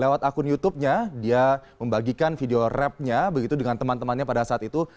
lewat akun youtubenya dia membagikan video rapnya begitu dengan teman temannya pada saat itu